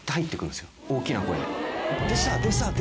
大きな声で。